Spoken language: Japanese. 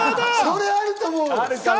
それあると思う。